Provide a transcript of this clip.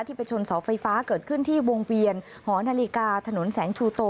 ไปชนเสาไฟฟ้าเกิดขึ้นที่วงเวียนหอนาฬิกาถนนแสงชูโต